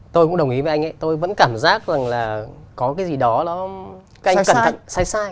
tôi cũng đồng ý với anh ấy tôi vẫn cảm giác rằng là có cái gì đó nó sai sai